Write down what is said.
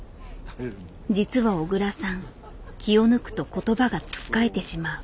実は小倉さん気を抜くと言葉がつっかえてしまう。